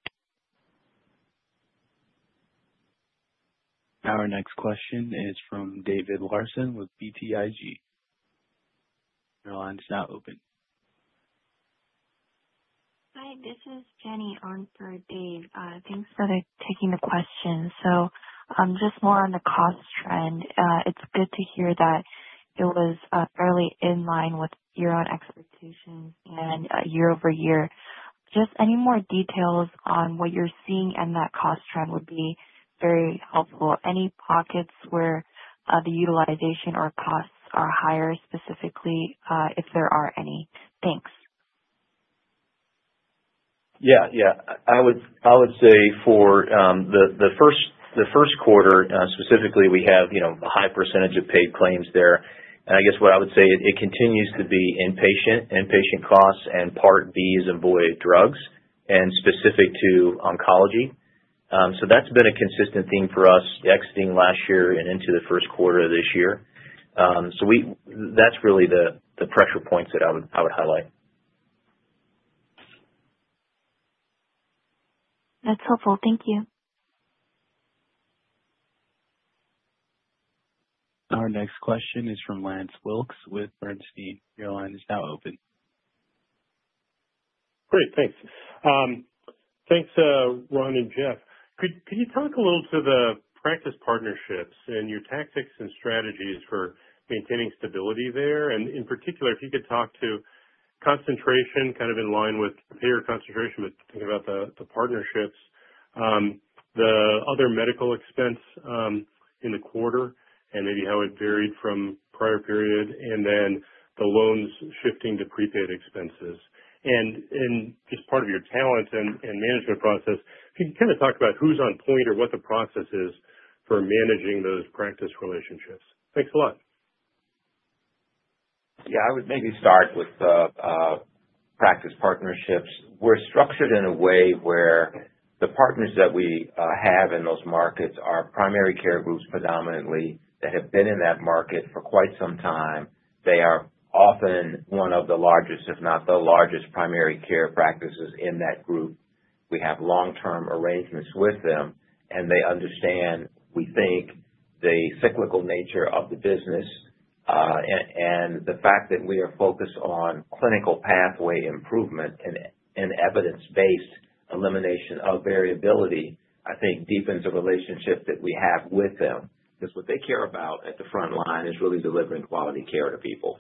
Our next question is from David Larson with BTIG. Your line is now open. Hi, this is Jenny on for Dave. Thanks for taking the question. Just more on the cost trend, it's good to hear that it was fairly in line with your own expectations and year over year. Any more details on what you're seeing in that cost trend would be very helpful. Any pockets where the utilization or costs are higher, specifically if there are any? Thanks. I would say for the first quarter, specifically, we have a high percentage of paid claims there. What I would say, it continues to be inpatient, inpatient costs, and Part B is in billed drugs and specific to oncology. That's been a consistent theme for us exiting last year and into the first quarter of this year. That's really the pressure points that I would highlight. That's helpful. Thank you. Our next question is from Lance Wilkes with Bernstein. Your line is now open. Great. Thanks. Thanks, Ron and Jeff. Could you talk a little to the practice partnerships and your tactics and strategies for maintaining stability there? In particular, if you could talk to concentration kind of in line with the payer concentration, but thinking about the partnerships, the other medical expense in the quarter, and maybe how it varied from prior period, and then the loans shifting to prepaid expenses. Just part of your talent and management process, if you can kind of talk about who's on point or what the process is for managing those practice relationships. Thanks a lot. Yeah, I would maybe start with practice partnerships. We're structured in a way where the partners that we have in those markets are primary care groups predominantly that have been in that market for quite some time. They are often one of the largest, if not the largest, primary care practices in that group. We have long-term arrangements with them, and they understand, we think, the cyclical nature of the business and the fact that we are focused on clinical pathway improvement and evidence-based elimination of variability. I think defense of relationships that we have with them, because what they care about at the front line is really delivering quality care to people.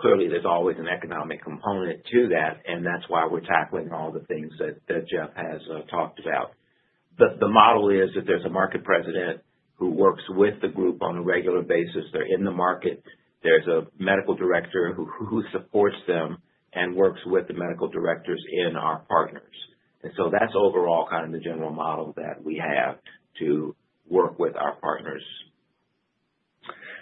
Clearly, there's always an economic component to that, and that's why we're tackling all the things that Jeff has talked about. The model is that there's a market president who works with the group on a regular basis. They're in the market. There's a medical director who supports them and works with the medical directors in our partners. That's overall kind of the general model that we have to work with our partners.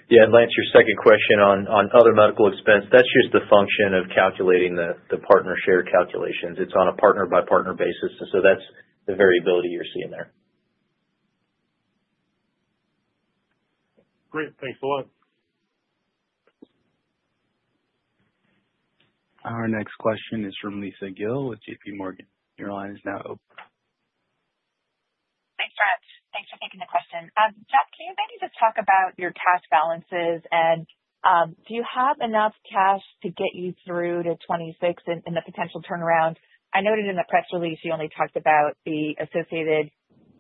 Yeah. Lance, your second question on other medical expense, that's just the function of calculating the partner share calculations. It's on a partner-by-partner basis. That's the variability you're seeing there. Great, thanks a lot. Our next question is from Lisa Gill with JPMorgan. Your line is now open. Thanks, Jeff. Thanks for taking the question. Jeff, can you maybe just talk about your cash balances, and do you have enough cash to get you through to 2026 and the potential turnaround? I noted in the press release you only talked about the associated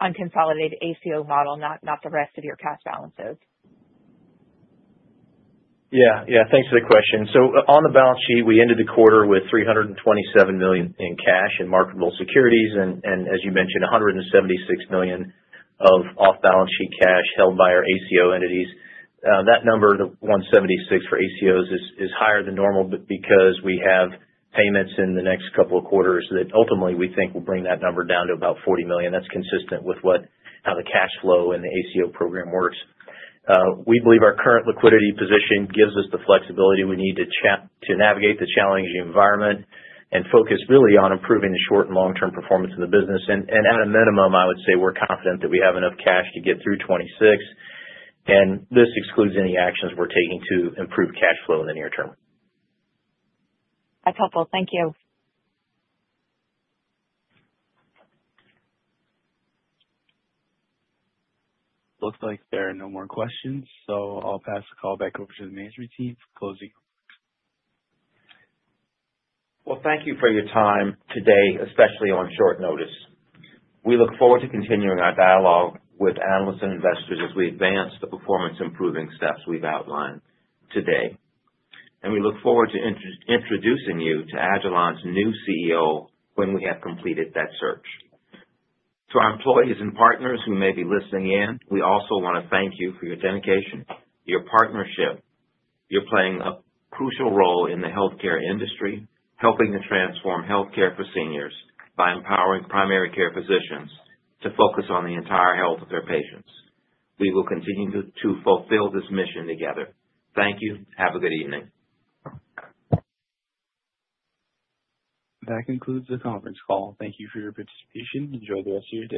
unconsolidated ACO model, not the rest of your cash balances. Thanks for the question. On the balance sheet, we ended the quarter with $327 million in cash and marketable securities, and as you mentioned, $176 million of off-balance sheet cash held by our ACO entities. That number, the $176 million for ACOs, is higher than normal because we have payments in the next couple of quarters that ultimately we think will bring that number down to about $40 million. That's consistent with how the cash flow and the ACO program works. We believe our current liquidity position gives us the flexibility we need to navigate the challenging environment and focus really on improving the short and long-term performance of the business. At a minimum, I would say we're confident that we have enough cash to get through 2026, and this excludes any actions we're taking to improve cash flow in the near term. That's helpful. Thank you. Looks like there are no more questions, so I'll pass the call back over to the management team for closing calls. Well, thank you for your time today, especially on short notice. We look forward to continuing our dialogue with analysts and investors as we advance the performance-improving steps we've outlined today. We look forward to introducing you to agilon health's new CEO when we have completed that search. To our employees and partners who may be listening in, we also want to thank you for your dedication and your partnership. You're playing a crucial role in the healthcare industry, helping to transform healthcare for seniors by empowering primary care physicians to focus on the entire health of their patients. We will continue to fulfill this mission together. Thank you. Have a good evening. That concludes the conference call. Thank you for your participation. Enjoy the rest of your day.